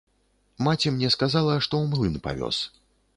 Маці мне сказала, што ў млын павёз.